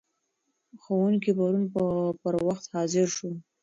ښوونکی پرون پر وخت حاضر شو.